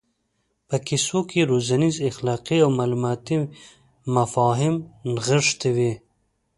په کیسو کې روزنیز اخلاقي او معلوماتي مفاهیم نغښتي وي.